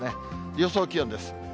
予想気温です。